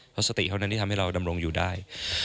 เพราะสติเท่านั้นที่ทำให้เราดำรงอยู่ได้